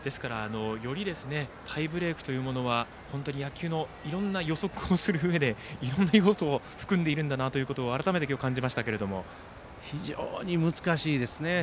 ですからよりタイブレークというものは野球のいろんな予測をするうえでいろんな要素を含んでいるんだなということを非常に難しいですね。